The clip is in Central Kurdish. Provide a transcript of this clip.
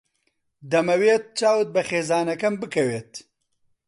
دەمەوێت چاوت بە خێزانەکەم بکەوێت.